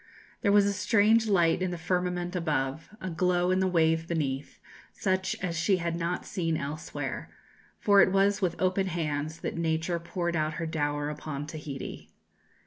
There was a strange light in the firmament above, a glow in the wave beneath, such as she had not seen elsewhere; for it was with open hands that Nature poured out her dower upon Tahiti.